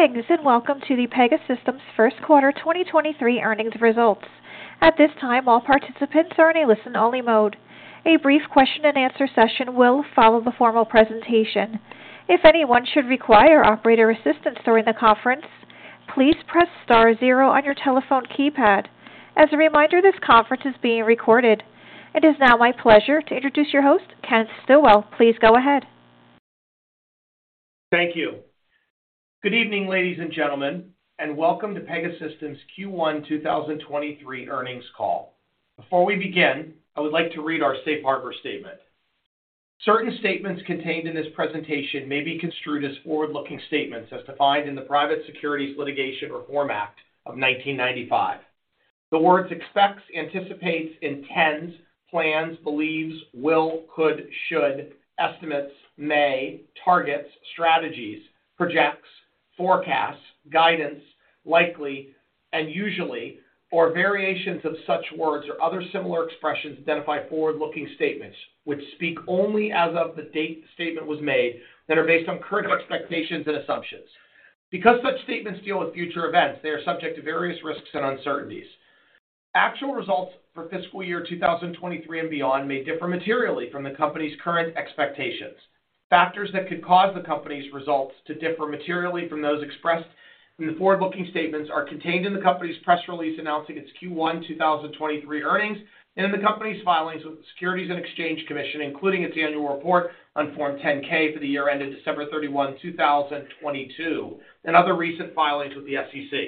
Greetings, and welcome to the Pegasystems first quarter 2023 earnings results. At this time, all participants are in a listen-only mode. A brief question-and-answer session will follow the formal presentation. If anyone should require operator assistance during the conference, please press star zero on your telephone keypad. As a reminder, this conference is being recorded. It is now my pleasure to introduce your host, Ken Stillwell. Please go ahead. Thank you. Good evening, ladies and gentlemen, and welcome to Pegasystems Q1 2023 earnings call. Before we begin, I would like to read our safe harbor statement. Certain statements contained in this presentation may be construed as forward-looking statements as defined in the Private Securities Litigation Reform Act of 1995. The words expects, anticipates, intends, plans, believes, will, could, should, estimates, may, targets, strategies, projects, forecasts, guidance, likely, and usually, or variations of such words or other similar expressions identify forward-looking statements, which speak only as of the date the statement was made that are based on current expectations and assumptions. Such statements deal with future events, they are subject to various risks and uncertainties. Actual results for fiscal year 2023 and beyond may differ materially from the company's current expectations. Factors that could cause the company's results to differ materially from those expressed in the forward-looking statements are contained in the company's press release announcing its Q1 2023 earnings and in the company's filings with the Securities and Exchange Commission, including its annual report on Form 10-K for the year ended December 31, 2022, and other recent filings with the SEC.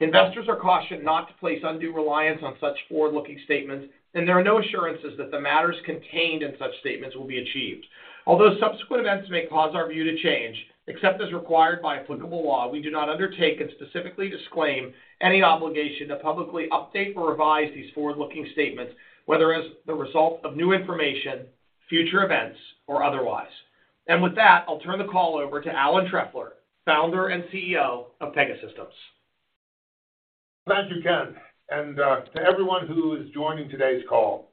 Investors are cautioned not to place undue reliance on such forward-looking statements, there are no assurances that the matters contained in such statements will be achieved. Although subsequent events may cause our view to change, except as required by applicable law, we do not undertake and specifically disclaim any obligation to publicly update or revise these forward-looking statements, whether as the result of new information, future events, or otherwise. With that, I'll turn the call over to Alan Trefler, Founder and CEO of Pegasystems. Thank you, Ken, and to everyone who is joining today's call,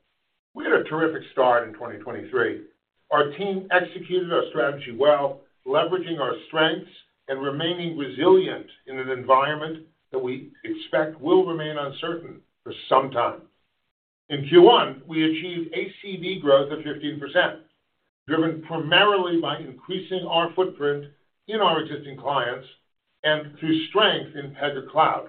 we had a terrific start in 2023. Our team executed our strategy well, leveraging our strengths and remaining resilient in an environment that we expect will remain uncertain for some time. In Q1, we achieved ACV growth of 15%, driven primarily by increasing our footprint in our existing clients and through strength in Pega Cloud.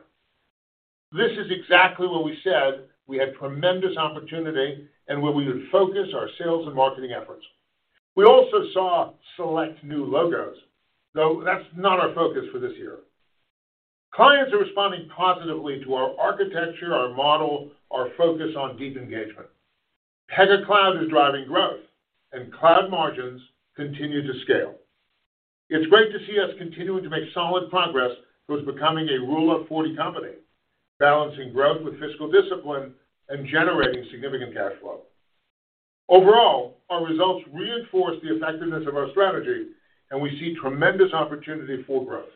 This is exactly what we said we had tremendous opportunity and where we would focus our sales and marketing efforts. We also saw select new logos, though that's not our focus for this year. Clients are responding positively to our architecture, our model, our focus on deep engagement. Pega Cloud is driving growth, and cloud margins continue to scale. It's great to see us continuing to make solid progress towards becoming a Rule of 40 company, balancing growth with fiscal discipline and generating significant cash flow. Overall, our results reinforce the effectiveness of our strategy, and we see tremendous opportunity for growth.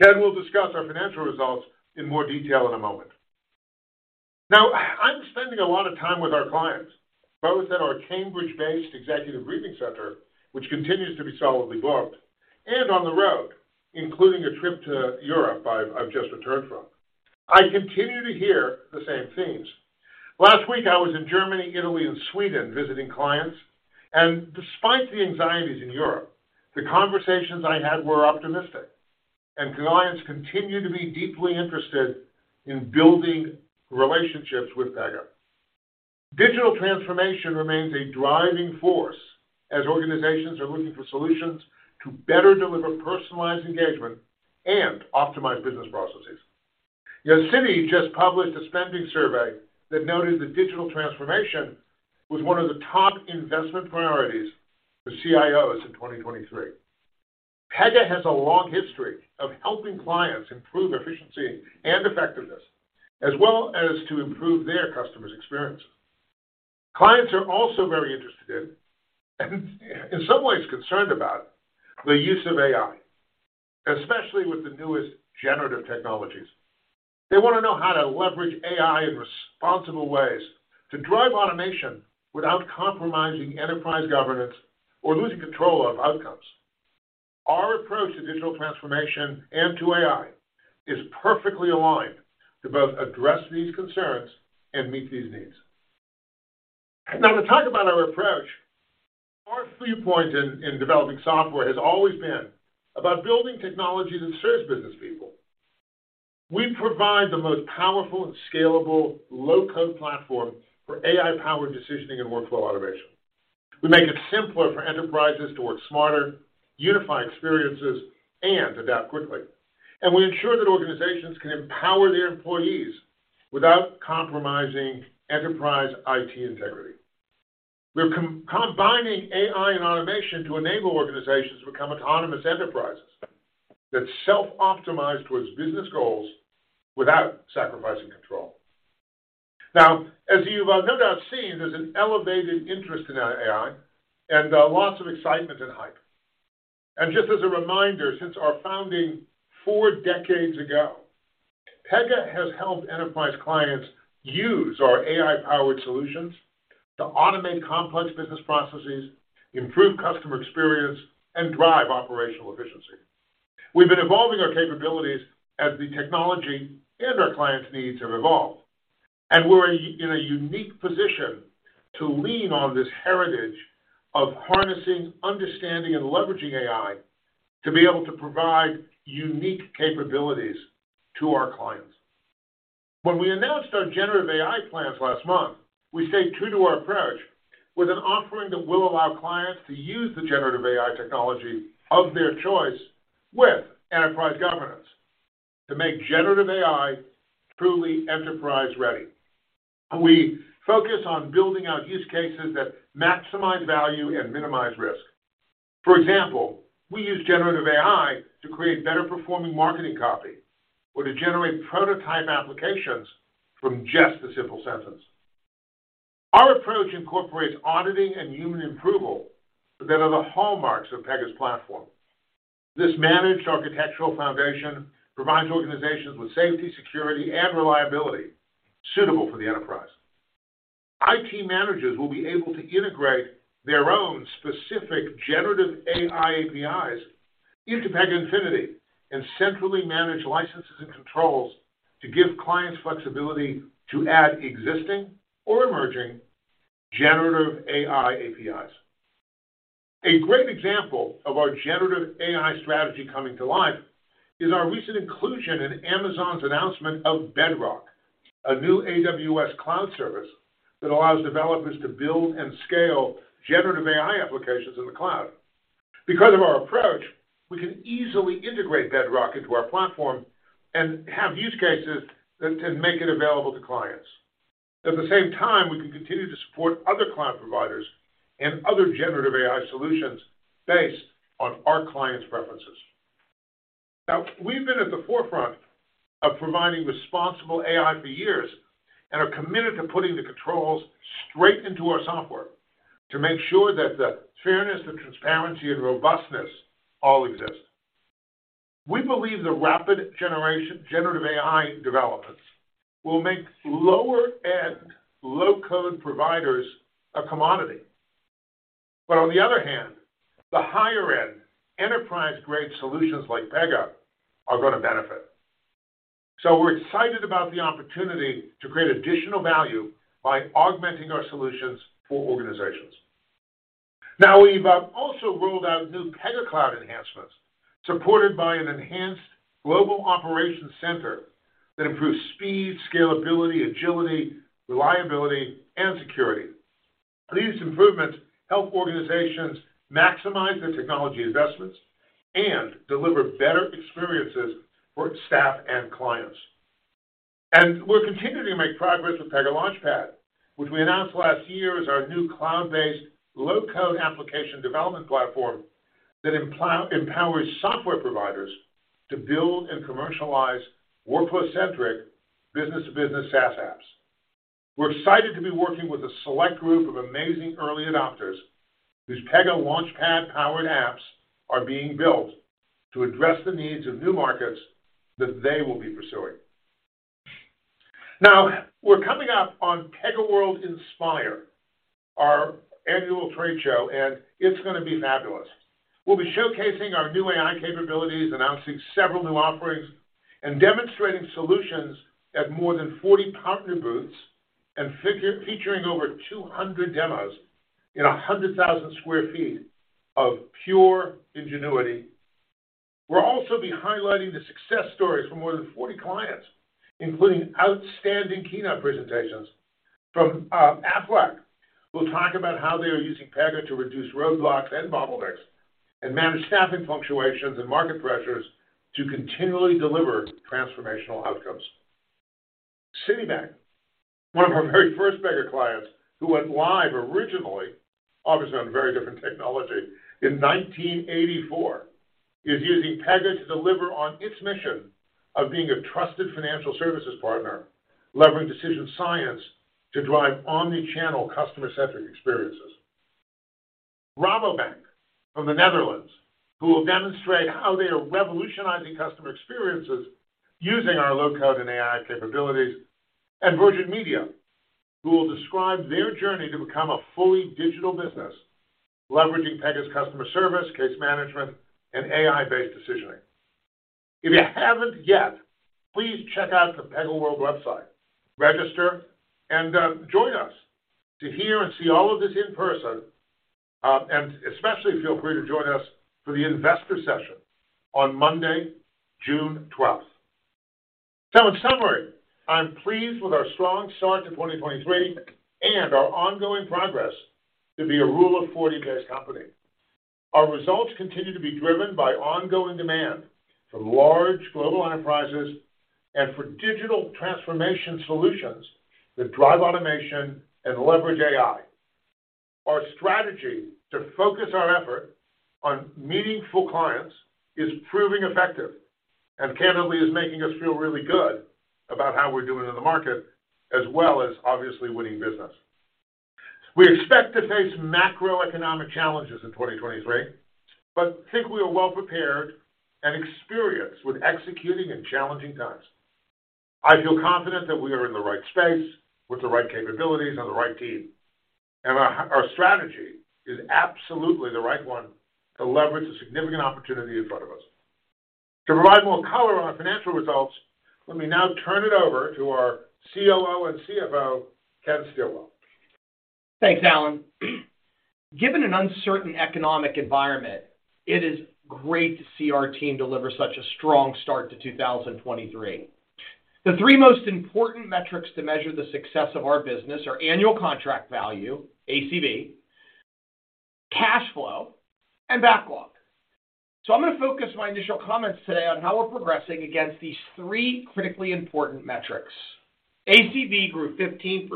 Ken will discuss our financial results in more detail in a moment. Now, I'm spending a lot of time with our clients, both at our Cambridge-based executive briefing center, which continues to be solidly booked, and on the road, including a trip to Europe I've just returned from. I continue to hear the same themes. Last week, I was in Germany, Italy, and Sweden visiting clients. Despite the anxieties in Europe, the conversations I had were optimistic, and clients continue to be deeply interested in building relationships with Pega. Digital transformation remains a driving force as organizations are looking for solutions to better deliver personalized engagement and optimize business processes. You know, Citi just published a spending survey that noted that digital transformation was one of the top investment priorities for CIOs in 2023. Pega has a long history of helping clients improve efficiency and effectiveness, as well as to improve their customers' experiences. Clients are also very interested in, and in some ways concerned about, the use of AI, especially with the newest generative technologies. They want to know how to leverage AI in responsible ways to drive automation without compromising enterprise governance or losing control of outcomes. Our approach to digital transformation and to AI is perfectly aligned to both address these concerns and meet these needs. Now to talk about our approach, our viewpoint in developing software has always been about building technology that serves business people. We provide the most powerful and scalable low-code platform for AI-powered decisioning and workflow automation. We make it simpler for enterprises to work smarter, unify experiences, and adapt quickly. We ensure that organizations can empower their employees without compromising enterprise IT integrity. We're combining AI and automation to enable organizations to become autonomous enterprises that self-optimize towards business goals without sacrificing control. As you've no doubt seen, there's an elevated interest in AI and lots of excitement and hype. Just as a reminder, since our founding four decades ago, Pega has helped enterprise clients use our AI-powered solutions to automate complex business processes, improve customer experience, and drive operational efficiency. We've been evolving our capabilities as the technology and our clients' needs have evolved, and we're in a unique position to lean on this heritage of harnessing, understanding, and leveraging AI to be able to provide unique capabilities to our clients. When we announced our generative AI plans last month, we stayed true to our approach with an offering that will allow clients to use the generative AI technology of their choice with enterprise governance to make generative AI truly enterprise-ready. We focus on building out use cases that maximize value and minimize risk. For example, we use generative AI to create better performing marketing copy or to generate prototype applications from just a simple sentence. Our approach incorporates auditing and human approval that are the hallmarks of Pega's platform. This managed architectural foundation provides organizations with safety, security, and reliability suitable for the enterprise. IT managers will be able to integrate their own specific generative AI APIs into Pega Infinity and centrally manage licenses and controls to give clients flexibility to add existing or emerging generative AI APIs. A great example of our generative AI strategy coming to life is our recent inclusion in Amazon's announcement of Bedrock, a new AWS cloud service that allows developers to build and scale generative AI applications in the cloud. Because of our approach, we can easily integrate Bedrock into our platform and have use cases that can make it available to clients. At the same time, we can continue to support other cloud providers and other generative AI solutions based on our clients' preferences. We've been at the forefront of providing responsible AI for years and are committed to putting the controls straight into our software to make sure that the fairness, the transparency, and robustness all exist. We believe the rapid generation generative AI developments will make lower-end low-code providers a commodity. On the other hand, the higher-end enterprise-grade solutions like Pega are going to benefit. We're excited about the opportunity to create additional value by augmenting our solutions for organizations. We've also rolled out new Pega Cloud enhancements supported by an enhanced global operations center that improves speed, scalability, agility, reliability, and security. These improvements help organizations maximize their technology investments and deliver better experiences for staff and clients. We're continuing to make progress with Pega Launchpad, which we announced last year as our new cloud-based low-code application development platform that empowers software providers to build and commercialize workload-centric business-to-business SaaS apps. We're excited to be working with a select group of amazing early adopters whose Pega Launchpad-powered apps are being built to address the needs of new markets that they will be pursuing. We're coming up on PegaWorld iNspire, our annual trade show, and it's going to be fabulous. We'll be showcasing our new AI capabilities, announcing several new offerings, and demonstrating solutions at more than 40 partner booths and featuring over 200 demos in 100,000 sq ft of pure ingenuity. We'll also be highlighting the success stories from more than 40 clients, including outstanding keynote presentations from Aflac, who will talk about how they are using Pega to reduce roadblocks and bottlenecks and manage staffing fluctuations and market pressures to continually deliver transformational outcomes. Citibank, one of our very first Pega clients who went live originally, obviously on very different technology, in 1984, is using Pega to deliver on its mission of being a trusted financial services partner, leveraging decision science to drive omni-channel customer-centric experiences. Rabobank from the Netherlands, who will demonstrate how they are revolutionizing customer experiences using our low-code and AI capabilities. Virgin Media, who will describe their journey to become a fully digital business, leveraging Pega's customer service, case management, and AI-based decisioning. If you haven't yet, please check out the PegaWorld website, register, and join us to hear and see all of this in person, and especially feel free to join us for the investor session on Monday, June 12th. In summary, I'm pleased with our strong start to 2023 and our ongoing progress to be a Rule of 40 best company. Our results continue to be driven by ongoing demand from large global enterprises and for digital transformation solutions that drive automation and leverage AI. Our strategy to focus our effort on meaningful clients is proving effective and candidly is making us feel really good about how we're doing in the market as well as obviously winning business. We expect to face macroeconomic challenges in 2023, think we are well-prepared and experienced with executing in challenging times. I feel confident that we are in the right space with the right capabilities and the right team, and our strategy is absolutely the right one to leverage the significant opportunity in front of us. To provide more color on our financial results, let me now turn it over to our COO and CFO, Ken Stillwell. Thanks, Alan. Given an uncertain economic environment, it is great to see our team deliver such a strong start to 2023. The three most important metrics to measure the success of our business are annual contract value, ACV, cash flow, and backlog. I'm going to focus my initial comments today on how we're progressing against these three critically important metrics. ACV grew 15%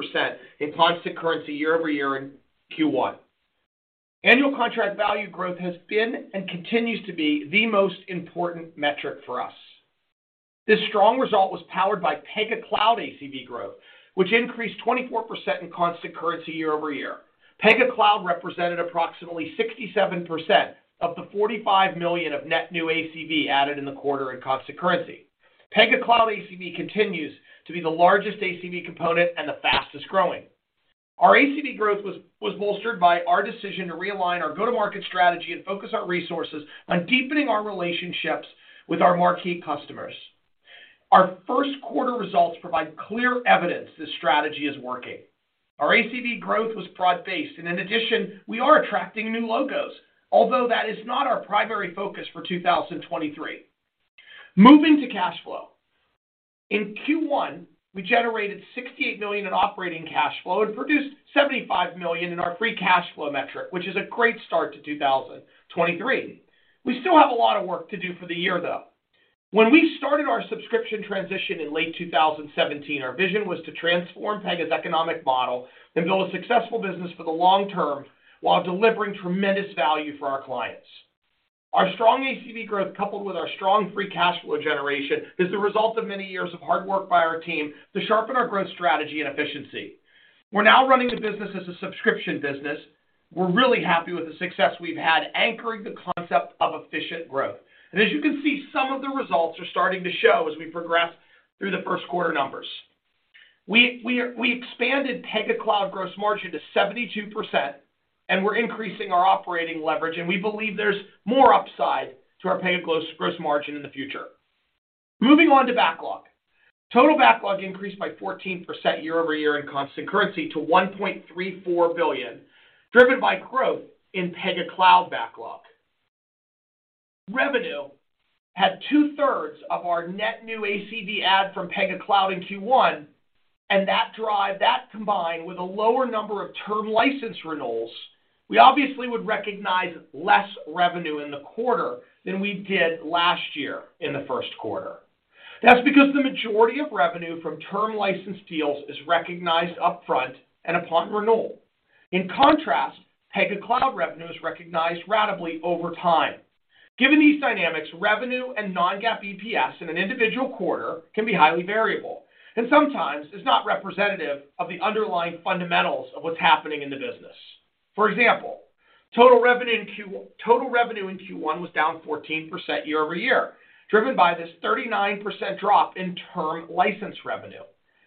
in constant currency year-over-year in Q1. Annual contract value growth has been and continues to be the most important metric for us. This strong result was powered by Pega Cloud ACV growth, which increased 24% in constant currency year-over-year. Pega Cloud represented approximately 67% of the $45 million of net new ACV added in the quarter in constant currency. Pega Cloud ACV continues to be the largest ACV component and the fastest-growing. Our ACV growth was bolstered by our decision to realign our go-to-market strategy and focus our resources on deepening our relationships with our marquee customers. Our first quarter results provide clear evidence this strategy is working. Our ACV growth was broad-based, and in addition, we are attracting new logos, although that is not our primary focus for 2023. Moving to cash flow. In Q1, we generated $68 million in operating cash flow and produced $75 million in our free cash flow metric, which is a great start to 2023. We still have a lot of work to do for the year, though. When we started our subscription transition in late 2017, our vision was to transform Pega's economic model and build a successful business for the long term while delivering tremendous value for our clients. Our strong ACV growth, coupled with our strong free cash flow generation, is the result of many years of hard work by our team to sharpen our growth strategy and efficiency. We're now running the business as a subscription business. We're really happy with the success we've had anchoring the concept of efficient growth. As you can see, some of the results are starting to show as we progress through the first quarter numbers. We expanded Pega Cloud gross margin to 72%, and we're increasing our operating leverage, and we believe there's more upside to our Pega Cloud's gross margin in the future. Moving on to backlog. Total backlog increased by 14% year-over-year in constant currency to $1.34 billion, driven by growth in Pega Cloud backlog. Revenue had 2/3 of our net new ACV add from Pega Cloud in Q1, and that combined with a lower number of term license renewals, we obviously would recognize less revenue in the quarter than we did last year in the first quarter. That's because the majority of revenue from term license deals is recognized upfront and upon renewal. In contrast, Pega Cloud revenue is recognized ratably over time. Given these dynamics, revenue and non-GAAP EPS in an individual quarter can be highly variable and sometimes is not representative of the underlying fundamentals of what's happening in the business. For example, Total revenue in Q1 was down 14% year-over-year, driven by this 39% drop in term license revenue.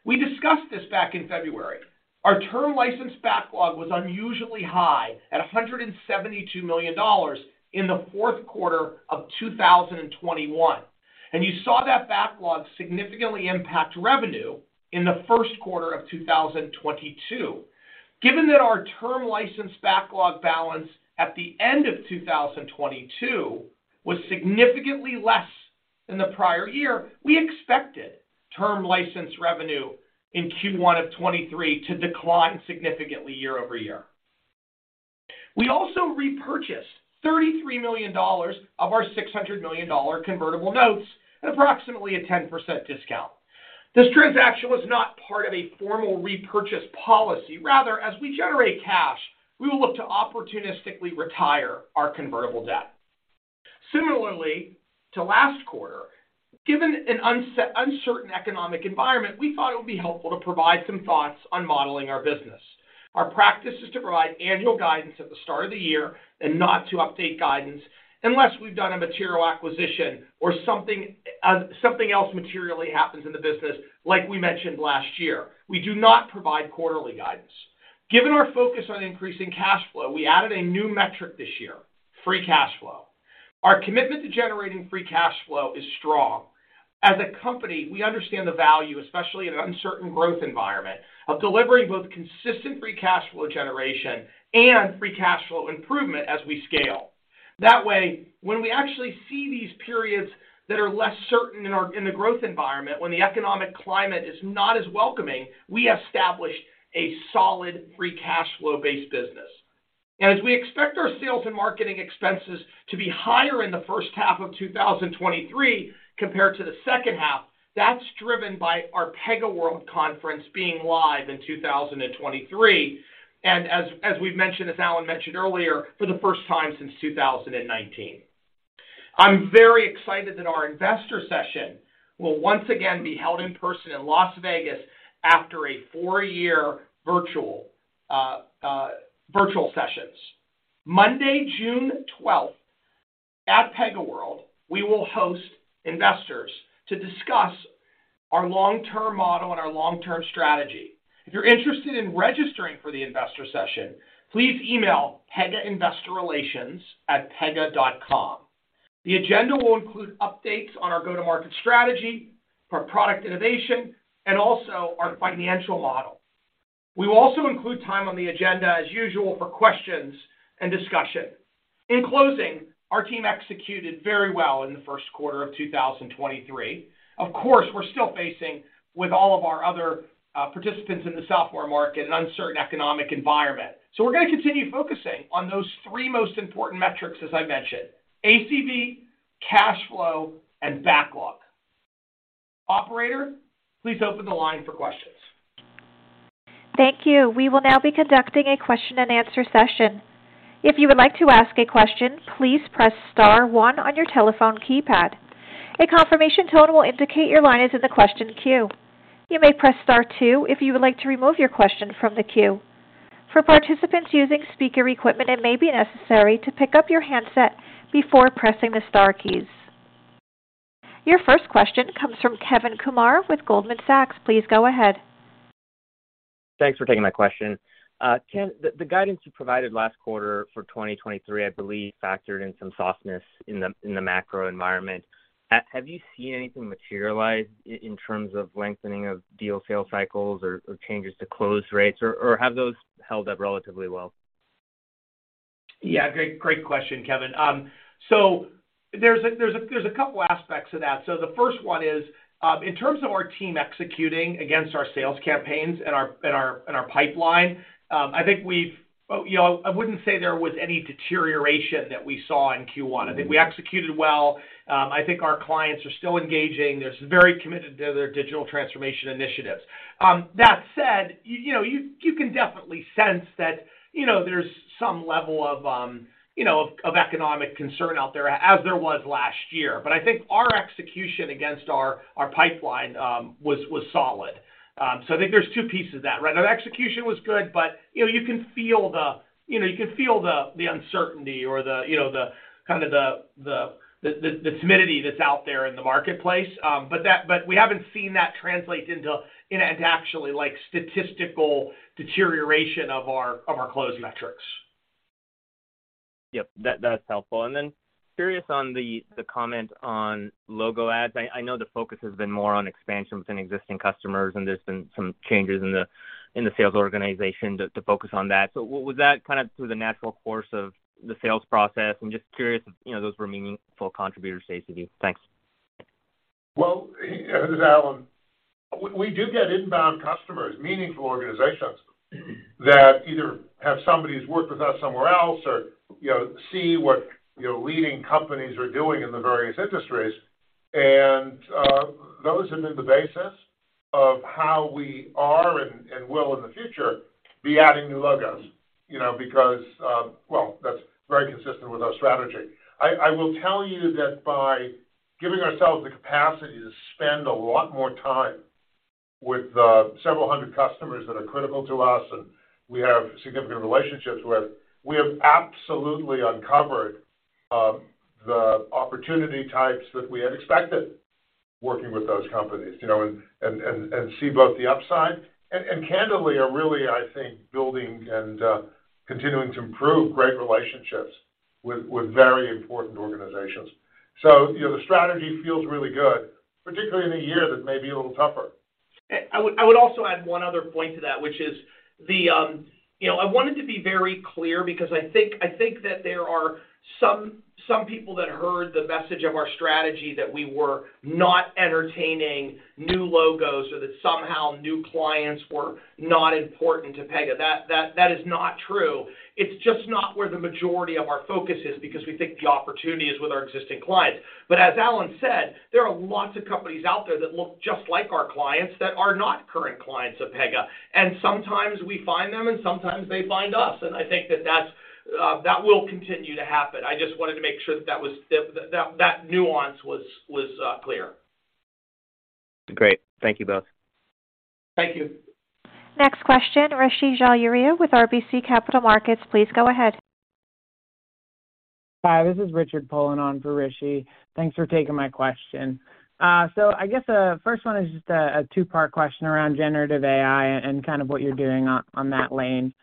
We discussed this back in February. Our term license backlog was unusually high at $172 million in the fourth quarter of 2021, you saw that backlog significantly impact revenue in the first quarter of 2022. Given that our term license backlog balance at the end of 2022 was significantly less than the prior year, we expected term license revenue in Q1 of 2023 to decline significantly year-over-year. We also repurchased $33 million of our $600 million Convertible Notes at approximately a 10% discount. This transaction was not part of a formal repurchase policy. Rather, as we generate cash, we will look to opportunistically retire our convertible debt. Similarly to last quarter, given an uncertain economic environment, we thought it would be helpful to provide some thoughts on modeling our business. Our practice is to provide annual guidance at the start of the year and not to update guidance unless we've done a material acquisition or something else materially happens in the business like we mentioned last year. We do not provide quarterly guidance. Given our focus on increasing cash flow, we added a new metric this year, free cash flow. Our commitment to generating free cash flow is strong. As a company, we understand the value, especially in an uncertain growth environment, of delivering both consistent free cash flow generation and free cash flow improvement as we scale. That way, when we actually see these periods that are less certain in our, in the growth environment, when the economic climate is not as welcoming, we establish a solid free cash flow-based business. As we expect our sales and marketing expenses to be higher in the first half of 2023 compared to the second half, that's driven by our PegaWorld conference being live in 2023, as we've mentioned, as Alan mentioned earlier, for the first time since 2019. I'm very excited that our investor session will once again be held in person in Las Vegas after a four-year virtual sessions. Monday, June 12th, at PegaWorld, we will host investors to discuss our long-term model and our long-term strategy. If you're interested in registering for the investor session, please email PegaInvestorRelations@pega.com. The agenda will include updates on our go-to-market strategy, our product innovation, and also our financial model. We will also include time on the agenda as usual for questions and discussion. In closing, our team executed very well in the first quarter of 2023. Of course, we're still facing with all of our other participants in the software market, an uncertain economic environment. We're gonna continue focusing on those three most important metrics, as I mentioned: ACV, cash flow, and backlog. Operator, please open the line for questions. Thank you. We will now be conducting a question and answer session. If you would like to ask a question, please press star one on your telephone keypad. A confirmation tone will indicate your line is in the question queue. You may press star two if you would like to remove your question from the queue. For participants using speaker equipment, it may be necessary to pick up your handset before pressing the star keys. Your first question comes from Kevin Kumar with Goldman Sachs. Please go ahead. Thanks for taking my question. Ken, the guidance you provided last quarter for 2023, I believe, factored in some softness in the macro environment. Have you seen anything materialize in terms of lengthening of deal sales cycles or changes to close rates? Or have those held up relatively well? Yeah. Great, great question, Kevin. There's a couple aspects to that. The first one is, in terms of our team executing against our sales campaigns and our pipeline, you know, I wouldn't say there was any deterioration that we saw in Q1. I think we executed well. I think our clients are still engaging. They're very committed to their digital transformation initiatives. That said, you know, you can definitely sense that, you know, there's some level of, you know, of economic concern out there, as there was last year. I think our execution against our pipeline was solid. I think there's two pieces to that, right? Our execution was good, but, you know, you can feel the You know, you can feel the uncertainty or the, you know, the kind of the, the timidity that's out there in the marketplace. But we haven't seen that translate into, and actually, like, statistical deterioration of our closing metrics. Yep. That's helpful. Curious on the comment on logo adds. I know the focus has been more on expansion within existing customers, there's been some changes in the sales organization to focus on that. Was that kind of through the natural course of the sales process? I'm just curious if, you know, those were meaningful contributors to ACV. Thanks. Well, this is Alan. We do get inbound customers, meaningful organizations, that either have somebody who's worked with us somewhere else or, you know, see what, you know, leading companies are doing in the various industries. Those have been the basis of how we are and will in the future be adding new logos, you know, because, well, that's very consistent with our strategy. I will tell you that by giving ourselves the capacity to spend a lot more time with the several hundred customers that are critical to us and we have significant relationships with, we have absolutely uncovered the opportunity types that we had expected working with those companies, you know, and see both the upside and candidly are really, I think, building and continuing to improve great relationships with very important organizations. You know, the strategy feels really good, particularly in a year that may be a little tougher. I would also add one other point to that, which is the. You know, I wanted to be very clear because I think that there are some people that heard the message of our strategy that we were not entertaining new logos or that somehow new clients were not important to Pega. That is not true. It's just not where the majority of our focus is because we think the opportunity is with our existing clients. But as Alan said, there are lots of companies out there that look just like our clients that are not current clients of Pega. Sometimes we find them, sometimes they find us. I think that that's that will continue to happen. I just wanted to make sure that that was, that nuance was clear. Great. Thank you both. Thank you. Next question, Rishi Jaluria with RBC Capital Markets, please go ahead. Hi, this is Richard Poland for Rishi Jaluria. Thanks for taking my question. I guess the first one is just a two-part question around generative AI and kind of what you're doing on that lane.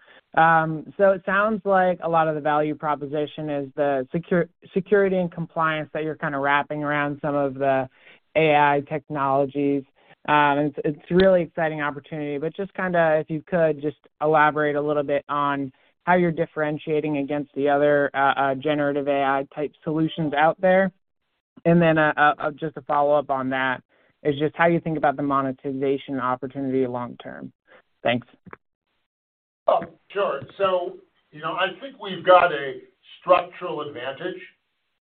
It's a really exciting opportunity. Just kinda, if you could, just elaborate a little bit on how you're differentiating against the other generative AI-type solutions out there. Just a follow-up on that is just how you think about the monetization opportunity long term? Thanks. Oh, sure. You know, I think we've got a structural advantage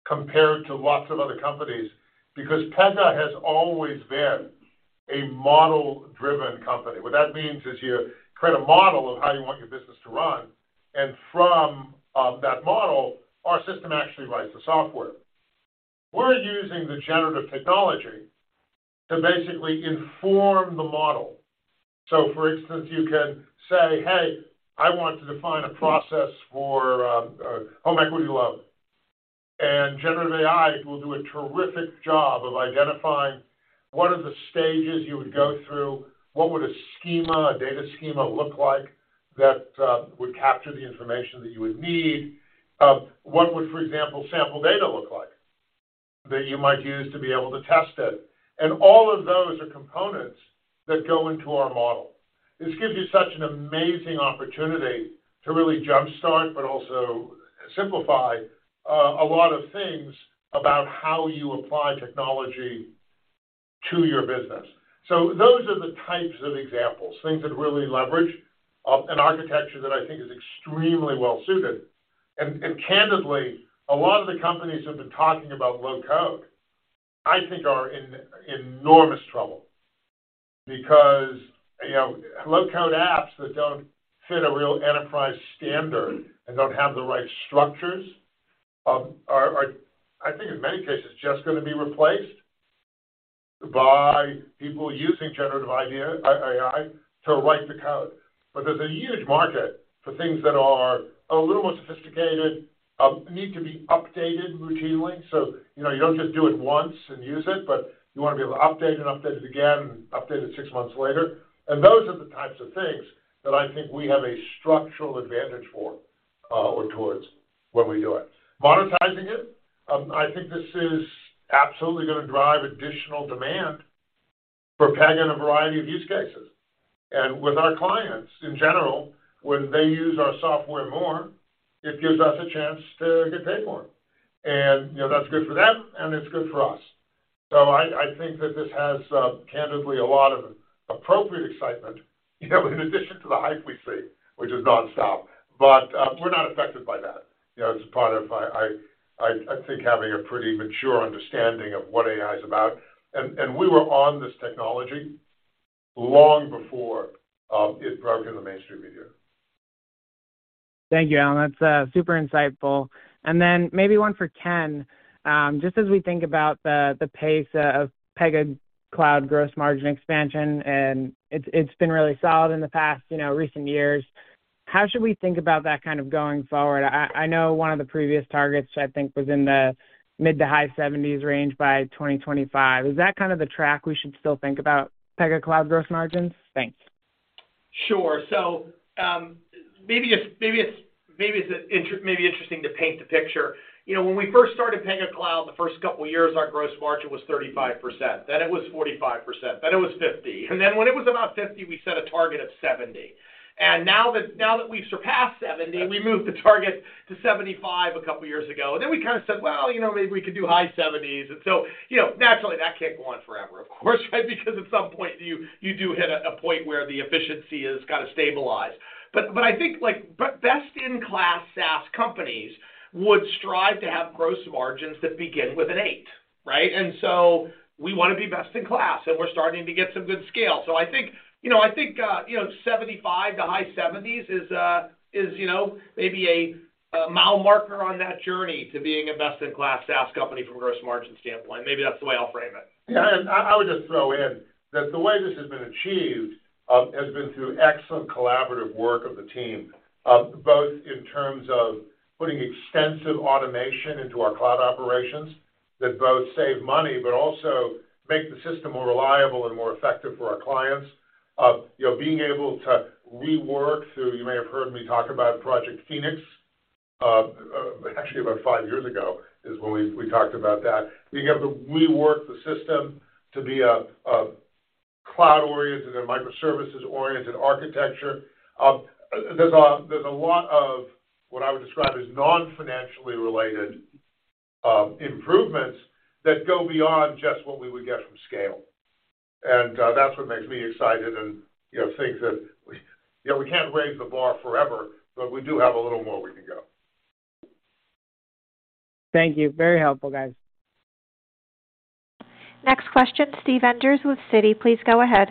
compared to lots of other companies because Pega has always been a model-driven company. What that means is you create a model of how you want your business to run, and from that model, our system actually writes the software. We're using the generative technology to basically inform the model. For instance, you can say, "Hey, I want to define a process for a home equity loan." Generative AI will do a terrific job of identifying what are the stages you would go through? What would a schema, a data schema look like that would capture the information that you would need? What would, for example, sample data look like that you might use to be able to test it? All of those are components that go into our model. This gives you such an amazing opportunity to really jump-start but also simplify a lot of things about how you apply technology to your business. Those are the types of examples, things that really leverage an architecture that I think is extremely well-suited. Candidly, a lot of the companies have been talking about low-code, I think are in enormous trouble because, you know, low-code apps that don't fit a real enterprise standard and don't have the right structures, I think in many cases, just gonna be replaced by people using generative AI to write the code. There's a huge market for things that are a little more sophisticated, need to be updated routinely. You know, you don't just do it once and use it, but you wanna be able to update and update it again, update it six months later. Those are the types of things that I think we have a structural advantage for, or towards when we do it. Monetizing it, I think this is absolutely gonna drive additional demand for Pega in a variety of use cases. With our clients in general, when they use our software more, it gives us a chance to get paid more. You know, that's good for them, and it's good for us. I think that this has candidly a lot of appropriate excitement, you know, in addition to the hype we see, which is nonstop. We're not affected by that. You know, it's part of I think having a pretty mature understanding of what AI is about. We were on this technology long before it broke in the mainstream media. Thank you, Alan. That's super insightful. Maybe one for Ken. Just as we think about the pace of Pega Cloud gross margin expansion, it's been really solid in the past, you know, recent years. How should we think about that kind of going forward? I know one of the previous targets, I think, was in the mid-to-high 70% range by 2025. Is that kind of the track we should still think about Pega Cloud gross margins? Thanks. Sure. Maybe interesting to paint the picture. You know, when we first started Pega Cloud, the first couple of years, our gross margin was 35%, then it was 45%, then it was 50%. When it was about 50%, we set a target of 70%. Now that we've surpassed 70%, we moved the target to 75% a couple of years ago. We kinda said, "Well, you know, maybe we could do high 70s." You know, naturally, that can't go on forever, of course, right? At some point, you do hit a point where the efficiency has got to stabilize. I think best-in-class SaaS companies would strive to have gross margins that begin with an eight, right? We wanna be best in class, and we're starting to get some good scale. I think, you know, I think, you know, 75% to high 70s is, you know, maybe a mile marker on that journey to being a best-in-class SaaS company from a gross margin standpoint. Maybe that's the way I'll frame it. Yeah. I would just throw in that the way this has been achieved, has been through excellent collaborative work of the team, both in terms of putting extensive automation into our cloud operations that both save money, but also make the system more reliable and more effective for our clients. You know, being able to rework. You may have heard me talk about Project fnx, actually about five years ago is when we talked about that. Being able to rework the system to be a cloud-oriented and microservices-oriented architecture. There's a, there's a lot of what I would describe as non-financially related improvements that go beyond just what we would get from scale. That's what makes me excited and, you know, think that, you know, we can't raise the bar forever, but we do have a little more we can go. Thank you. Very helpful, guys. Next question, Steve Enders with Citi. Please go ahead.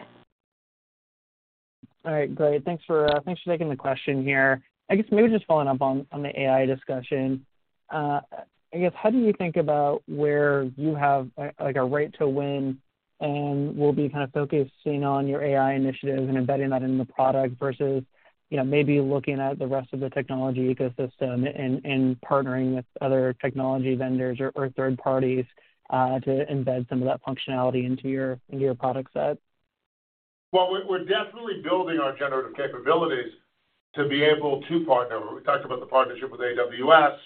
All right, great. Thanks for, thanks for taking the question here. I guess maybe just following up on the AI discussion. I guess how do you think about where you have, like, a right to win and will be kind of focusing on your AI initiatives and embedding that in the product versus, you know, maybe looking at the rest of the technology ecosystem and partnering with other technology vendors or third parties, to embed some of that functionality into your, into your product set? Well, we're definitely building our generative capabilities to be able to partner. We talked about the partnership with AWS.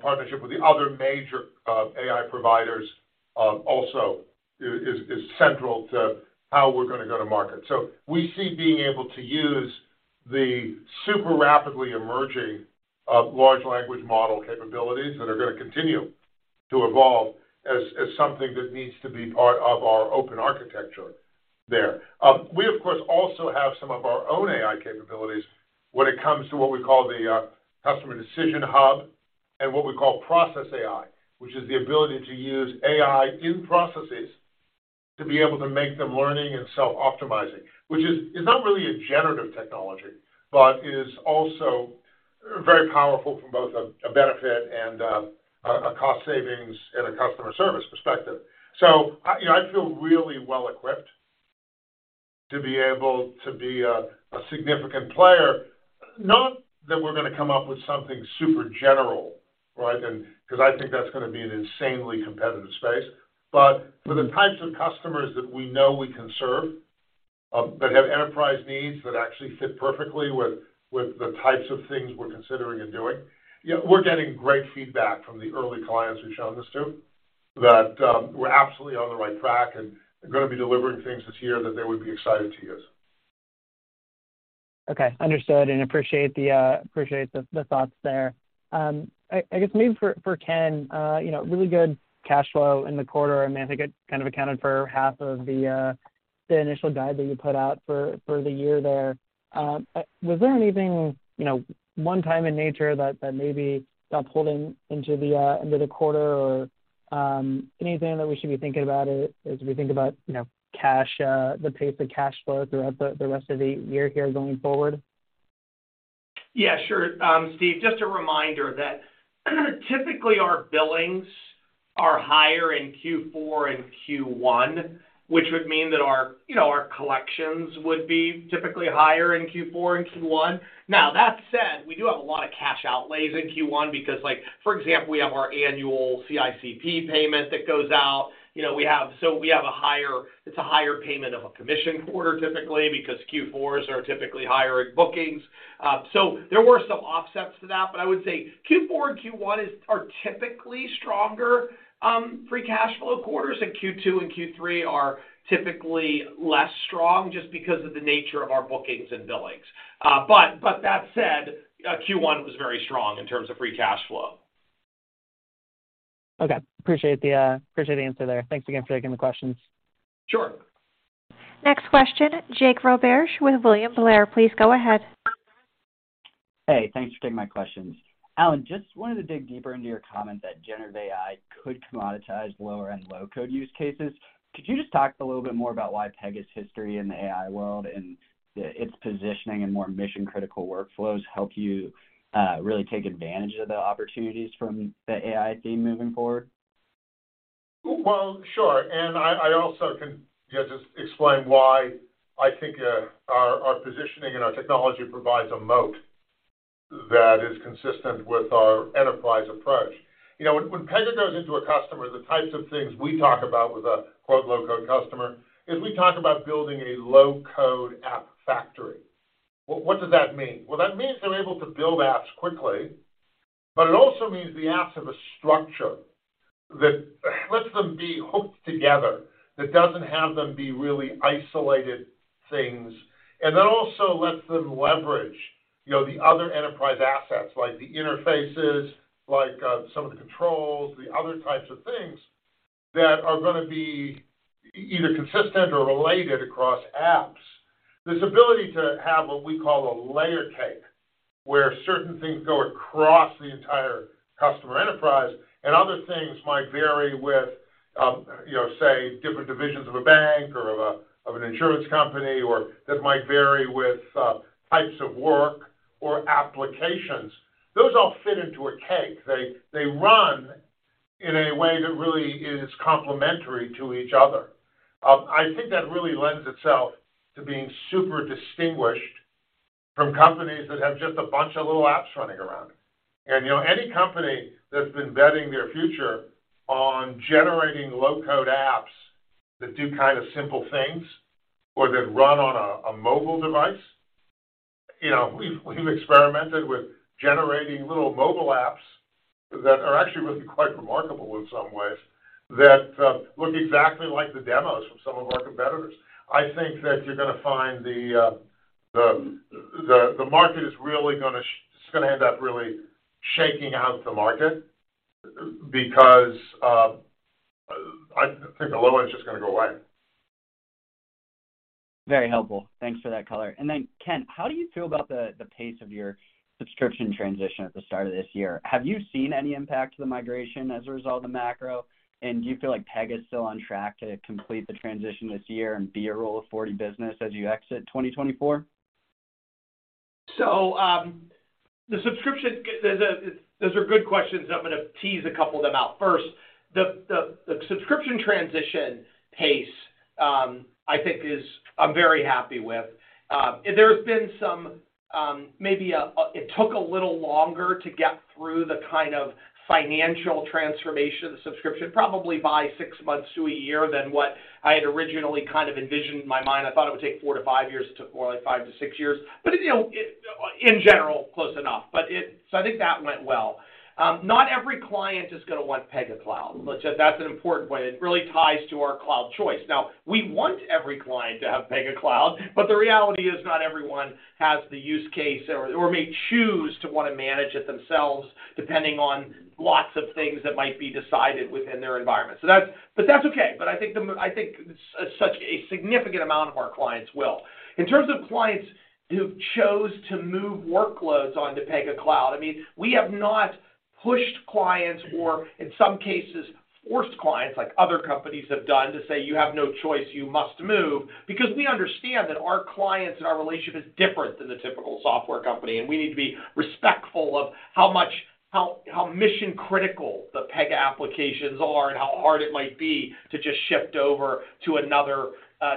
Partnership with the other major AI providers also is central to how we're gonna go to market. We see being able to use the super rapidly emerging large language model capabilities that are gonna continue to evolve as something that needs to be part of our open architecture there. We, of course, also have some of our own AI capabilities when it comes to what we call the Customer Decision Hub and what we call Process AI, which is not really a generative technology, but is also very powerful from both a benefit and a cost savings and a customer service perspective. I, you know, I feel really well equipped to be able to be a significant player. Not that we're gonna come up with something super general, right? 'Cause I think that's gonna be an insanely competitive space. For the types of customers that we know we can serve, that have enterprise needs that actually fit perfectly with the types of things we're considering and doing, yeah, we're getting great feedback from the early clients we've shown this to, that, we're absolutely on the right track and gonna be delivering things this year that they would be excited to use. Okay. Understood, appreciate the thoughts there. I guess maybe for Ken, you know, really good cash flow in the quarter. I mean, I think it kind of accounted for half of the initial guide that you put out for the year there. Was there anything, you know, one time in nature that maybe got pulled in, into the end of the quarter or anything that we should be thinking about it as we think about, you know, cash, the pace of cash flow throughout the rest of the year here going forward? Yeah, sure. Steve, just a reminder that typically our billings are higher in Q4 and Q1, which would mean that our, you know, our collections would be typically higher in Q4 and Q1. That said, we do have a lot of cash outlays in Q1 because like, for example, we have our annual CICP payment that goes out. It's a higher payment of a commission quarter typically, because Q4s are typically higher in bookings. There were some offsets to that, but I would say Q4 and Q1 are typically stronger free cash flow quarters, and Q2 and Q3 are typically less strong just because of the nature of our bookings and billings. That said, Q1 was very strong in terms of free cash flow. Okay. Appreciate the answer there. Thanks again for taking the questions. Sure. Next question, Jake Roberge with William Blair. Please go ahead. Hey, thanks for taking my questions. Alan, just wanted to dig deeper into your comment that generative AI could commoditize lower-end low-code use cases. Could you just talk a little bit more about why Pega's history in the AI world and its positioning in more mission-critical workflows help you really take advantage of the opportunities from the AI theme moving forward? Well, sure. I also can, you know, just explain why I think our positioning and our technology provides a moat that is consistent with our enterprise approach. You know, when Pega goes into a customer, the types of things we talk about with a "low-code customer," is we talk about building a low-code app factory. What does that mean? Well, that means they're able to build apps quickly, but it also means the apps have a structure that lets them be hooked together, that doesn't have them be really isolated things, and that also lets them leverage, you know, the other enterprise assets like the interfaces, like some of the controls, the other types of things that are gonna be either consistent or related across apps. This ability to have what we call a Layer Cake, where certain things go across the entire customer enterprise and other things might vary with, you know, say, different divisions of a bank or of an insurance company, or that might vary with types of work or applications. Those all fit into a cake. They run in a way that really is complementary to each other. I think that really lends itself to being super distinguished from companies that have just a bunch of little apps running around. You know, any company that's been betting their future on generating low-code apps that do kind of simple things or that run on a mobile device, you know, we've experimented with generating little mobile apps that are actually really quite remarkable in some ways that look exactly like the demos from some of our competitors. I think that you're gonna find the market is really gonna end up really shaking out the market because I think the low end's just gonna go away. Very helpful. Thanks for that color. Then, Ken, how do you feel about the pace of your subscription transition at the start of this year? Have you seen any impact to the migration as a result of the macro? Do you feel like Pega's still on track to complete the transition this year and be a Rule of 40 business as you exit 2024? Those are good questions. I'm gonna tease a couple of them out. First, the subscription transition pace, I think is. I'm very happy with. There's been some, maybe it took a little longer to get through the kind of financial transformation of the subscription, probably by six months to a year than what I had originally kind of envisioned in my mind. I thought it would take four to five years. It took more like five to six years. You know, in general, close enough. I think that went well. Not every client is gonna want Pega Cloud. That's an important point. It really ties to our cloud choice. Now, we want every client to have Pega Cloud, but the reality is not everyone has the use case or may choose to wanna manage it themselves, depending on lots of things that might be decided within their environment. That's okay. I think such a significant amount of our clients will. In terms of clients who've chose to move workloads onto Pega Cloud, I mean, we have not pushed clients or in some cases, forced clients like other companies have done to say, "You have no choice, you must move." Because we understand that our clients and our relationship is different than the typical software company, and we need to be respectful of how mission-critical the Pega applications are and how hard it might be to just shift over to another,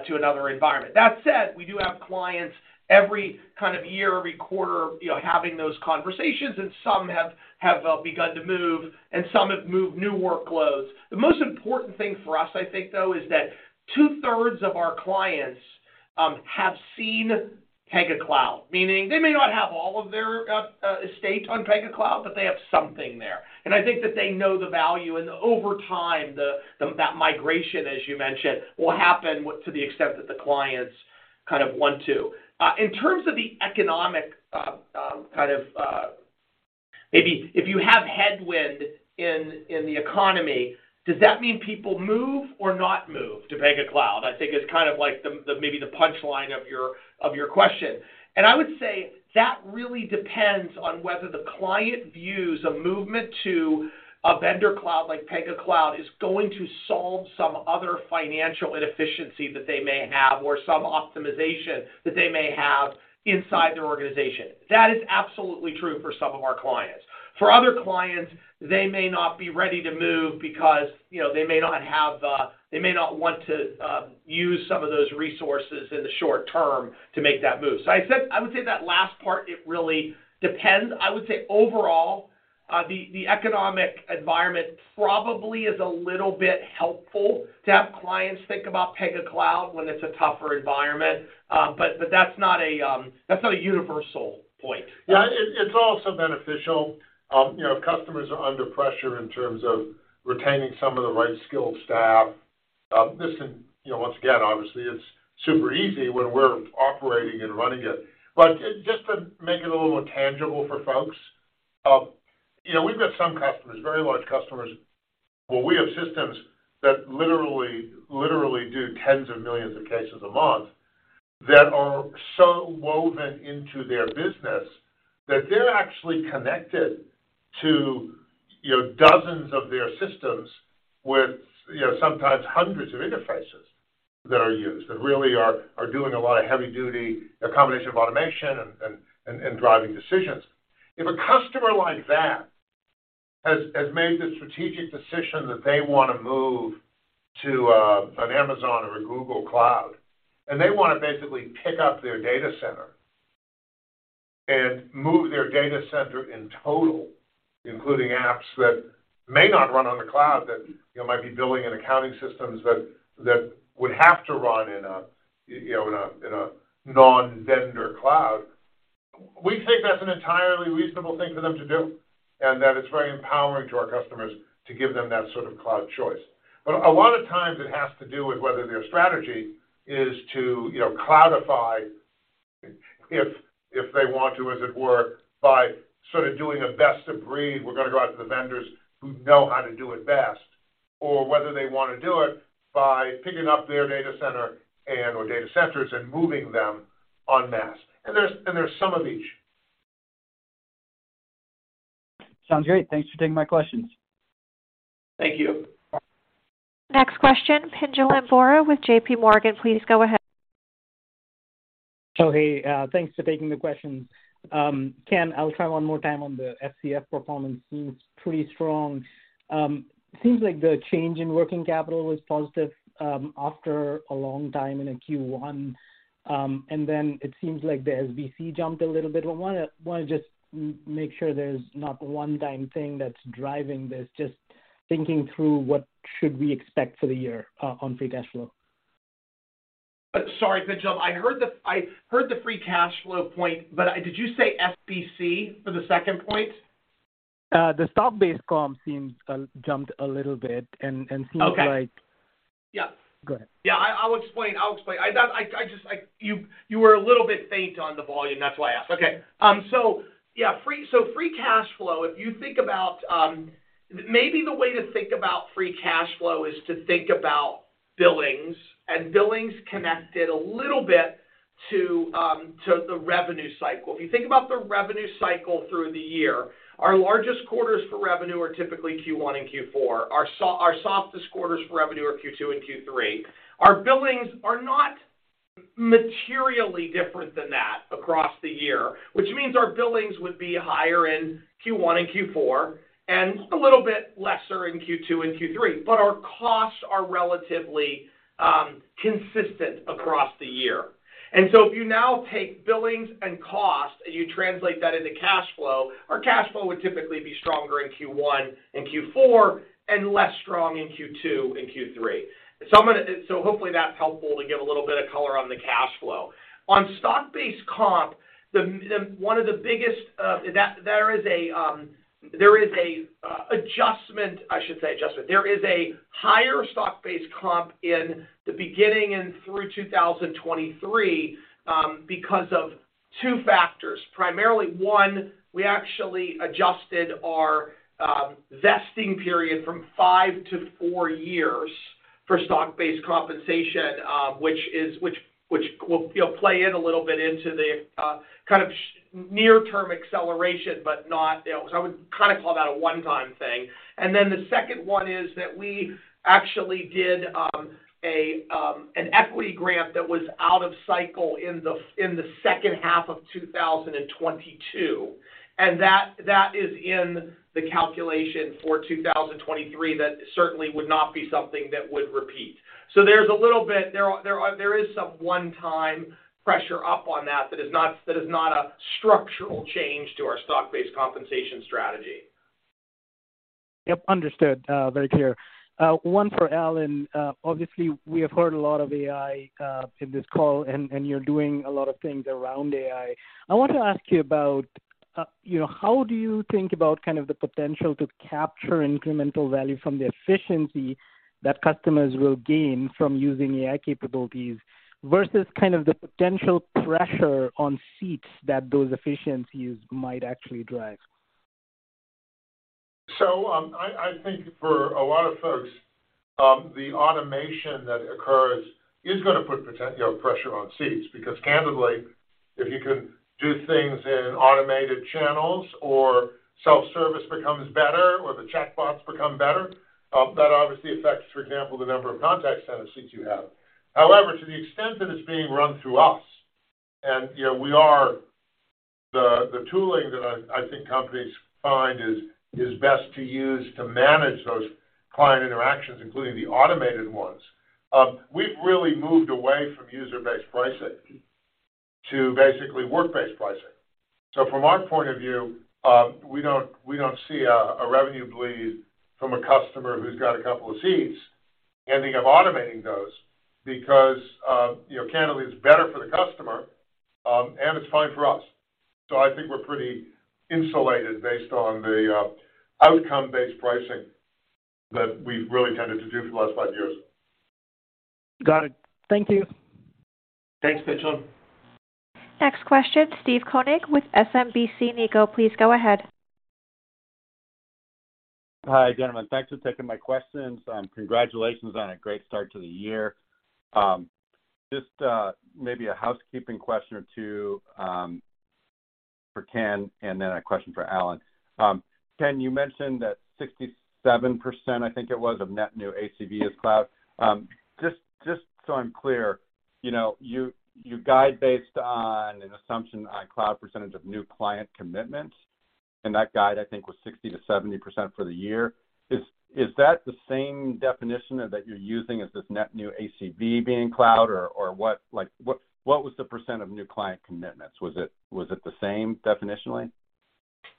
to another environment. That said, we do have clients every kind of year, every quarter, you know, having those conversations, and some have begun to move and some have moved new workloads. The most important thing for us, I think, though, is that 2/3 of our clients have seen Pega Cloud. Meaning they may not have all of their estate on Pega Cloud, but they have something there. I think that they know the value and over time, that migration, as you mentioned, will happen with to the extent that the clients kind of want to. In terms of the economic kind of maybe if you have headwind in the economy, does that mean people move or not move to Pega Cloud? I think is kind of like the maybe the punchline of your question. I would say that really depends on whether the client views a movement to a vendor cloud like Pega Cloud is going to solve some other financial inefficiency that they may have or some optimization that they may have inside their organization. That is absolutely true for some of our clients. For other clients, they may not be ready to move because, you know, they may not have, they may not want to use some of those resources in the short term to make that move. I would say that last part, it really depends. I would say overall, the economic environment probably is a little bit helpful to have clients think about Pega Cloud when it's a tougher environment. But that's not a universal point. Yeah. It, it's also beneficial, you know, if customers are under pressure in terms of retaining some of the right skilled staff. You know, once again, obviously, it's super easy when we're operating and running it. Just to make it a little more tangible for folks, you know, we've got some customers, very large customers, where we have systems that literally do tens of millions of cases a month, that are so woven into their business that they're actually connected to, you know, dozens of their systems with, you know, sometimes hundreds of interfaces that are used, that really are doing a lot of heavy duty, a combination of automation and driving decisions. If a customer like that has made the strategic decision that they wanna move to an Amazon or a Google Cloud, and they wanna basically pick up their data center and move their data center in total, including apps that may not run on the cloud, that, you know, might be billing and accounting systems that would have to run in a, you know, in a non-vendor cloud, we think that's an entirely reasonable thing for them to do, and that it's very empowering to our customers to give them that sort of cloud choice. A lot of times it has to do with whether their strategy is to, you know, cloudify if they want to, as it were, by sort of doing a best-of-breed, we're gonna go out to the vendors who know how to do it best, or whether they wanna do it by picking up their data center and/or data centers and moving them en masse. There's some of each. Sounds great. Thanks for taking my questions. Thank you. Next question, Pinjalim Bora with JPMorgan. Please go ahead. Hey, thanks for taking the questions. Ken, I'll try one more time on the FCF performance. Seems pretty strong. Seems like the change in working capital was positive, after a long time in a Q1. It seems like the SBC jumped a little bit. I wanna make sure there's not a one-time thing that's driving this, just thinking through what should we expect for the year on free cash flow? Sorry, Pinjal. I heard the, I heard the free cash flow point, but did you say SBC for the second point? The stock-based comp seems jumped a little bit and seems like. Okay. Yeah. Go ahead. Yeah, I'll explain, I'll explain. You were a little bit faint on the volume, that's why I asked. Okay. Free cash flow, if you think about maybe the way to think about free cash flow is to think about billings, and billings connected a little bit to the revenue cycle. If you think about the revenue cycle through the year, our largest quarters for revenue are typically Q1 and Q4. Our softest quarters for revenue are Q2 and Q3. Our billings are not materially different than that across the year, which means our billings would be higher in Q1 and Q4, and a little bit lesser in Q2 and Q3. Our costs are relatively consistent across the year. If you now take billings and cost, and you translate that into cash flow, our cash flow would typically be stronger in Q1 and Q4 and less strong in Q2 and Q3. Hopefully that's helpful to give a little bit of color on the cash flow. On stock-based comp, one of the biggest, that there is a, there is an adjustment, I should say adjustment. There is a higher stock-based comp in the beginning and through 2023, because of two factors. Primarily one, we actually adjusted our vesting period from five to four years. For stock-based compensation, which will, you know, play in a little bit into the kind of near-term acceleration, but not, you know, I would kind of call that a one-time thing. The second one is that we actually did an equity grant that was out of cycle in the second half of 2022, that is in the calculation for 2023. That certainly would not be something that would repeat. There's a little bit. There is some one-time pressure up on that that is not a structural change to our stock-based compensation strategy. Yep, understood. Very clear. One for Alan. Obviously, we have heard a lot of AI in this call, and you're doing a lot of things around AI. I want to ask you about, you know, how do you think about kind of the potential to capture incremental value from the efficiency that customers will gain from using AI capabilities versus kind of the potential pressure on seats that those efficiencies might actually drive? I think for a lot of folks, the automation that occurs is gonna put you know, pressure on seats because candidly, if you can do things in automated channels or self-service becomes better or the chatbots become better, that obviously affects, for example, the number of contact center seats you have. To the extent that it's being run through us and, you know, we are the tooling that I think companies find is best to use to manage those client interactions, including the automated ones, we've really moved away from user-based pricing to basically work-based pricing. From our point of view, we don't see a revenue bleed from a customer who's got a couple of seats ending up automating those because, you know, candidly, it's better for the customer, and it's fine for us. I think we're pretty insulated based on the outcome-based pricing that we've really tended to do for the last five years. Got it. Thank you. Thanks, Pinjal. Next question, Steve Koenig with SMBC Nikko. Please go ahead. Hi, gentlemen. Thanks for taking my questions. Congratulations on a great start to the year. Just maybe a housekeeping question or two for Ken, and then a question for Alan. Ken, you mentioned that 67%, I think it was, of net new ACV is cloud. Just so I'm clear, you know, you guide based on an assumption on cloud percentage of new client commitments, and that guide, I think, was 60%-70% for the year. Is that the same definition that you're using as this net new ACV being cloud or like what was the percent of new client commitments? Was it the same definitionally?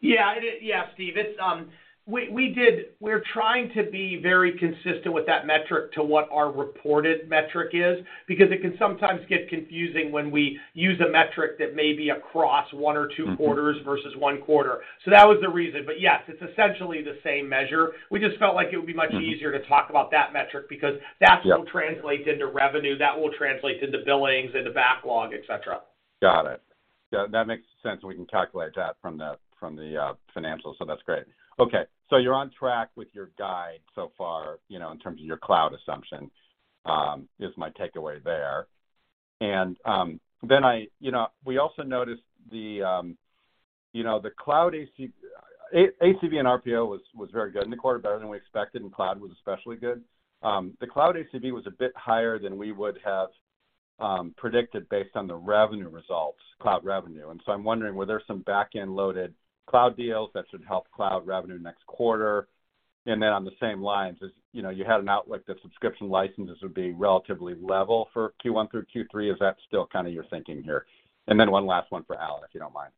Yeah. Yeah, Steve, it's, we're trying to be very consistent with that metric to what our reported metric is because it can sometimes get confusing when we use a metric that may be across one or two quarters versus one quarter. That was the reason. Yes, it's essentially the same measure. We just felt like it would be much easier to talk about that metric because that's what translates into revenue. That will translate into billings, into backlog, et cetera. Got it. Yeah, that makes sense, and we can calculate that from the, from the financials, so that's great. You're on track with your guide so far, you know, in terms of your cloud assumption, is my takeaway there. You know, we also noticed the, you know, the cloud ACV and RPO was very good in the quarter, better than we expected, and cloud was especially good. The cloud ACV was a bit higher than we would have predicted based on the revenue results, cloud revenue. I'm wondering, were there some back-end loaded cloud deals that should help cloud revenue next quarter? On the same lines, as, you know, you had an outlook that subscription licenses would be relatively level for Q1 through Q3. Is that still kind of your thinking here? One last one for Alan, if you don't mind.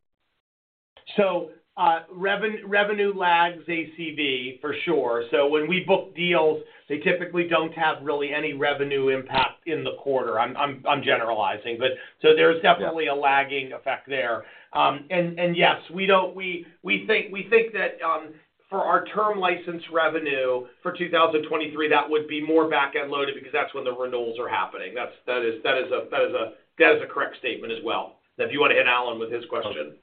Revenue lags ACV for sure. When we book deals, they typically don't have really any revenue impact in the quarter. I'm generalizing. There's definitely a lagging effect there. And yes, we think that for our term license revenue for 2023, that would be more back-end loaded because that's when the renewals are happening. That is a correct statement as well. If you wanna hit Alan with his question.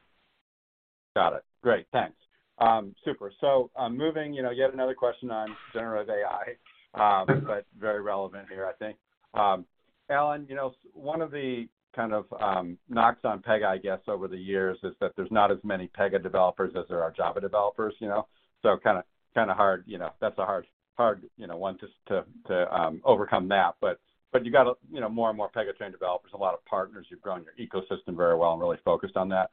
Got it. Great. Thanks. Super. Moving, you know, yet another question on generative AI, but very relevant here, I think. Alan, you know, one of the kind of, knocks on Pega, I guess, over the years is that there's not as many Pega developers as there are Java developers, you know? Kinda hard, you know, that's a hard, you know, one to overcome that. You got a, you know, more and more Pega-trained developers, a lot of partners. You've grown your ecosystem very well and really focused on that.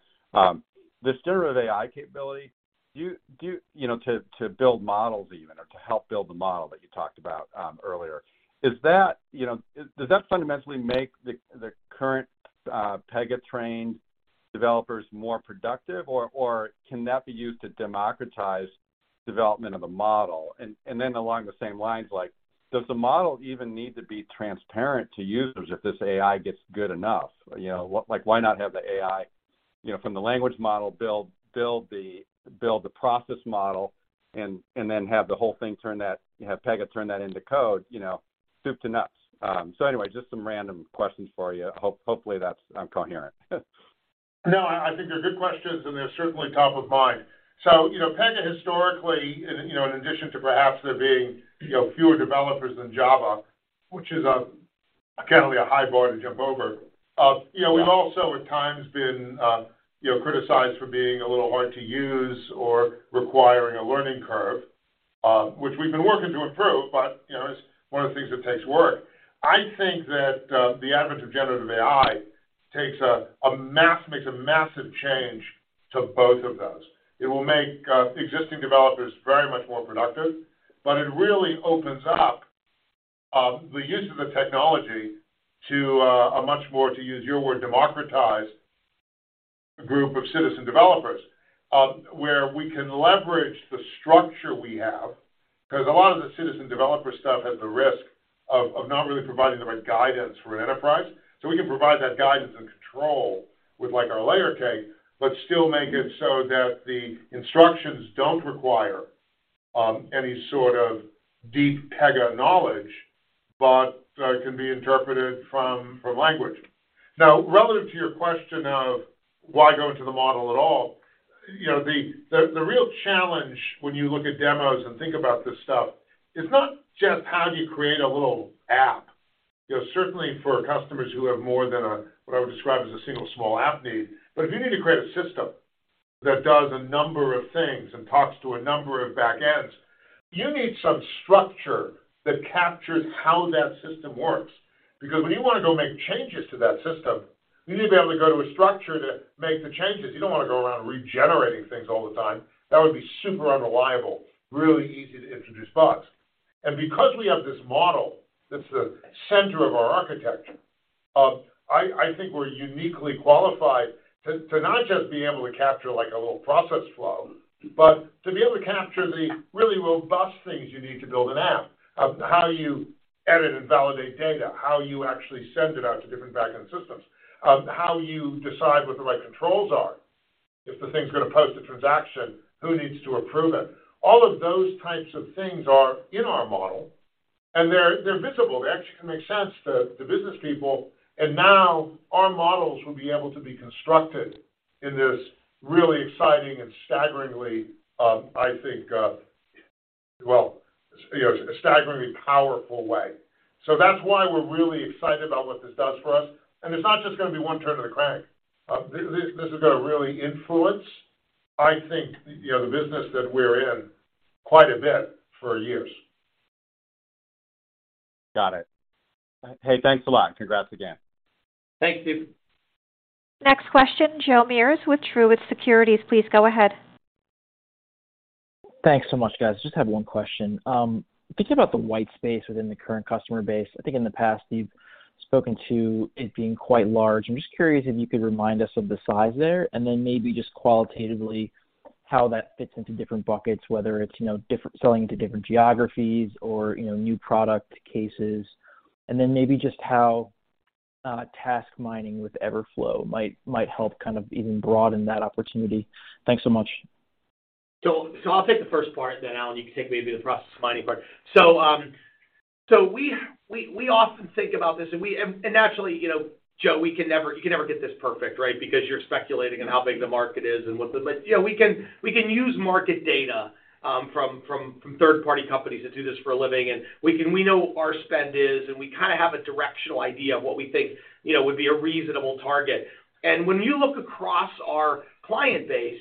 This generative AI capability, do you know, to build models even or to help build the model that you talked about, earlier, is that, you know? Does that fundamentally make the current Pega-trained developers more productive or can that be used to democratize development of a model? Then along the same lines, like, does the model even need to be transparent to users if this AI gets good enough? You know? Like, why not have the AI, you know, from the language model build the process model and then have the whole thing turn that have Pega turn that into code, you know, soup to nuts. Anyway, just some random questions for you. Hopefully, that's coherent. I think they're good questions, and they're certainly top of mind. You know, Pega historically, and, you know, in addition to perhaps there being, you know, fewer developers than Java, which is, can be a high bar to jump over. You know, we've also at times been, you know, criticized for being a little hard to use or requiring a learning curve, which we've been working to improve, but, you know, it's one of the things that takes work. I think that the advent of generative AI takes a massive change to both of those. It will make existing developers very much more productive, but it really opens up the use of the technology to a much more, to use your word, democratized group of citizen developers, where we can leverage the structure we have. Because a lot of the citizen developer stuff has the risk of not really providing the right guidance for an enterprise. We can provide that guidance and control with, like, our Layer Cake, but still make it so that the instructions don't require any sort of deep Pega knowledge, but can be interpreted from language. Relative to your question of why go into the model at all, you know, the real challenge when you look at demos and think about this stuff is not just how do you create a little app. You know, certainly for customers who have more than a, what I would describe as a single small app need. If you need to create a system that does a number of things and talks to a number of back ends, you need some structure that captures how that system works. When you wanna go make changes to that system, you need to be able to go to a structure to make the changes. You don't wanna go around regenerating things all the time. That would be super unreliable, really easy to introduce bugs. Because we have this model that's the center of our architecture, I think we're uniquely qualified to not just be able to capture like a little process flow, but to be able to capture the really robust things you need to build an app. How you edit and validate data, how you actually send it out to different backend systems, how you decide what the right controls are. If the thing's gonna post a transaction, who needs to approve it? All of those types of things are in our model, and they're visible. They actually can make sense to business people. Now our models will be able to be constructed in this really exciting and staggeringly, I think, well, you know, staggeringly powerful way. That's why we're really excited about what this does for us. It's not just gonna be one turn of the crank. This is gonna really influence, I think, you know, the business that we're in quite a bit for years. Got it. Hey, thanks a lot. Congrats again. Thanks Steve. Next question, Joe Meares with Truist Securities. Please go ahead. Thanks so much, guys. Just have one question. Thinking about the white space within the current customer base, I think in the past you've spoken to it being quite large. I'm just curious if you could remind us of the size there, and then maybe just qualitatively how that fits into different buckets, whether it's, you know, selling into different geographies or, you know, new product cases. Then maybe just how task mining with Everflow might help kind of even broaden that opportunity? Thanks so much. I'll take the first part, then Alan, you can take maybe the process mining part. We often think about this, and naturally, you know, Joe, you can never get this perfect, right? Because you're speculating on how big the market is. You know, we can use market data from third-party companies that do this for a living. We know what our spend is, and we kinda have a directional idea of what we think, you know, would be a reasonable target. When you look across our client base,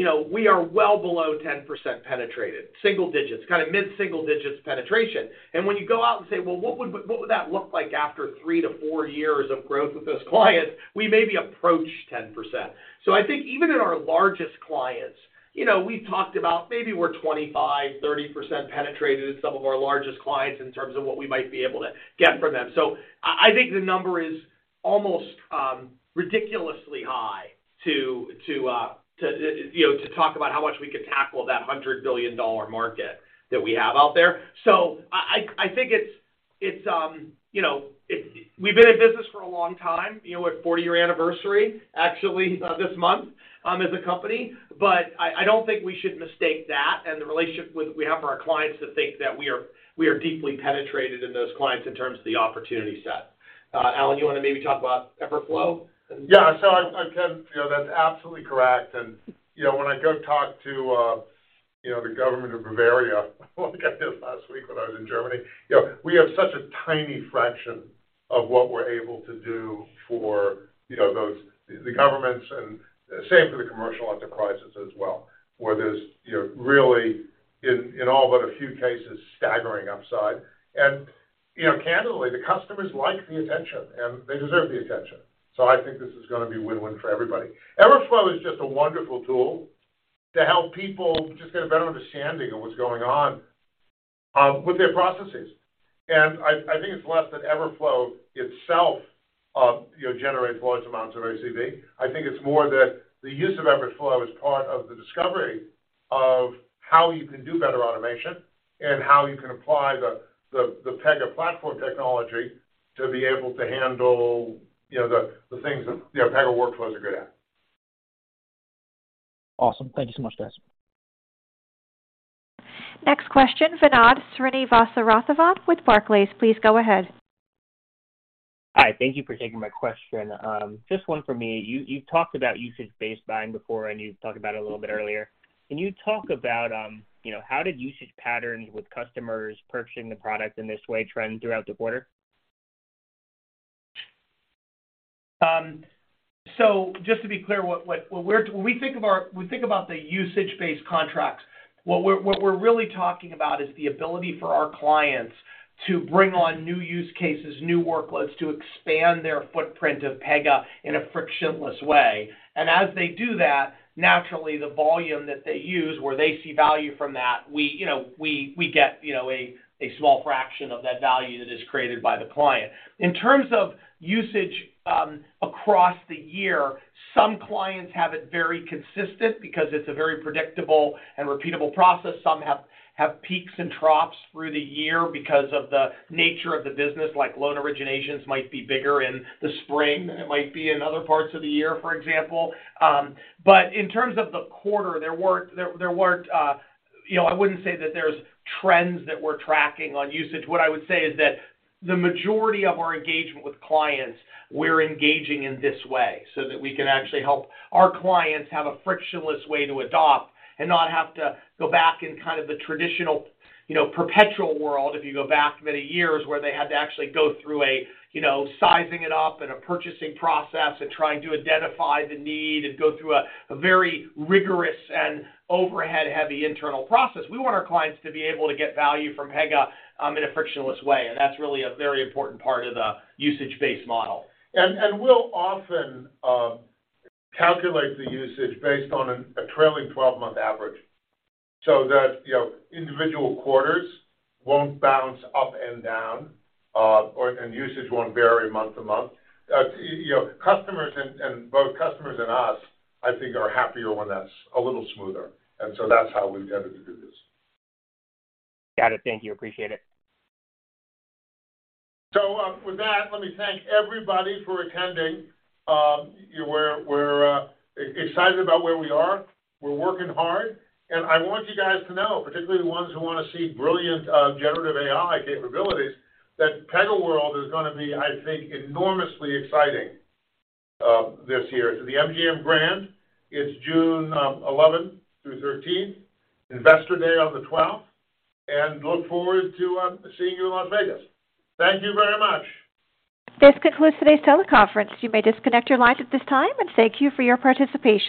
you know, we are well below 10% penetrated. Single digits, kind of mid-single digits penetration. When you go out and say, "Well, what would that look like after three to four years of growth with this client?" We maybe approach 10%. I think even in our largest clients, you know, we've talked about maybe we're 25%-30% penetrated in some of our largest clients in terms of what we might be able to get from them. I think the number is almost ridiculously high to, you know, to talk about how much we could tackle that hundred-dollar-billion market that we have out there. I think it's, you know, we've been in business for a long time, you know, our 40-year anniversary, actually, this month, as a company. I don't think we should mistake that and the relationship with we have for our clients to think that we are deeply penetrated in those clients in terms of the opportunity set. Alan, you wanna maybe talk about Everflow and? Yeah. You know, that's absolutely correct. You know, when I go talk to, you know, the government of Bavaria, like I did last week when I was in Germany, you know, we have such a tiny fraction of what we're able to do for, you know, the governments and same for the commercial enterprises as well, where there's, you know, really in all but a few cases, staggering upside. You know, candidly, the customers like the attention, and they deserve the attention. I think this is gonna be win-win for everybody. Everflow is just a wonderful tool to help people just get a better understanding of what's going on with their processes. I think it's less that Everflow itself, you know, generates large amounts of ACV. I think it's more that the use of Everflow is part of the discovery of how you can do better automation and how you can apply the Pega Platform technology to be able to handle, you know, the things that, you know, Pega Workflows are good at. Awesome. Thank you so much, guys. Next question, Vinod Srinivasaraghavan with Barclays, please go ahead. Hi. Thank you for taking my question. Just one for me. You've talked about usage-based buying before, and you've talked about it a little bit earlier. Can you talk about, you know, how did usage patterns with customers purchasing the product in this way trend throughout the quarter? Just to be clear, when we think about the usage-based contracts, what we're really talking about is the ability for our clients to bring on new use cases, new workloads, to expand their footprint of Pega in a frictionless way. As they do that, naturally, the volume that they use, where they see value from that, we, you know, we get, you know, a small fraction of that value that is created by the client. In terms of usage, across the year, some clients have it very consistent because it's a very predictable and repeatable process. Some have peaks and troughs through the year because of the nature of the business. Like, loan originations might be bigger in the spring than it might be in other parts of the year, for example. In terms of the quarter, there weren't, you know, I wouldn't say that there's trends that we're tracking on usage. What I would say is that the majority of our engagement with clients, we're engaging in this way, so that we can actually help our clients have a frictionless way to adopt and not have to go back in kind of the traditional, you know, perpetual world, if you go back many years, where they had to actually go through a, you know, sizing it up and a purchasing process and trying to identify the need and go through a very rigorous and overhead-heavy internal process. We want our clients to be able to get value from Pega in a frictionless way, that's really a very important part of the usage-based model. We'll often calculate the usage based on a trailing 12-month average so that, you know, individual quarters won't bounce up and down, and usage won't vary month-to-month. You know, customers and both customers and us, I think, are happier when that's a little smoother. So that's how we've gathered to do this. Got it. Thank you. Appreciate it. With that, let me thank everybody for attending. We're excited about where we are. We're working hard, and I want you guys to know, particularly the ones who wanna see brilliant generative AI capabilities, that PegaWorld is gonna be, I think, enormously exciting this year. It's at the MGM Grand. It's June 11th through 13th, Investor Day on the 12th, and look forward to seeing you in Las Vegas. Thank you very much. This concludes today's teleconference. You may disconnect your lines at this time, and thank you for your participation.